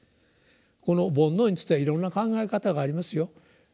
この「煩悩」についてはいろんな考え方がありますよ。